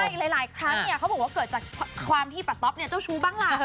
อีกหลายครั้งเนี่ยเขาบอกว่าเกิดจากความที่ปะต๊อปเนี่ยเจ้าชู้บ้างล่ะ